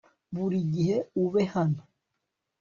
burigihe ube hano